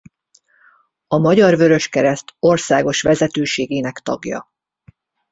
A Magyar Vöröskereszt országos vezetőségének tagja.